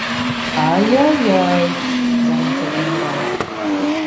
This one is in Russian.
«Ай, ай, ай! – заметил генерал.